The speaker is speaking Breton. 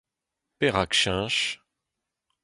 perak cheñch ?